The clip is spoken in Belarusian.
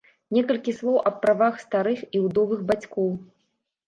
Некалькі слоў аб правах старых і ўдовых бацькоў.